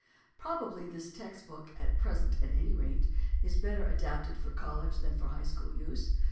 Probably this text book, at present at any rate, is better adapted for college than for high school use.